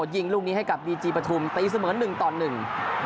ยิงลูกนี้ให้กับบีจีปฐุมตีเสมอหนึ่งต่อหนึ่ง